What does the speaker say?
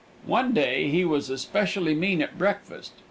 "_ (Page 105)] One day he was especially mean at breakfast.